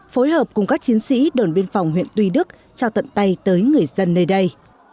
phối hợp cùng các chiến sĩ đồn biên phòng huyện tuy đức trao tận tay tới người dân nơi đây